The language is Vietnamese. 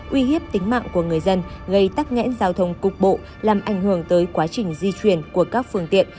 uy hiếp tính mạng của người dân gây tắc nghẽn giao thông cục bộ làm ảnh hưởng tới quá trình di chuyển của các phương tiện